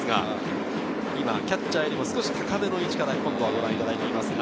キャッチャーよりも少し高めの位置からの映像をご覧いただいています。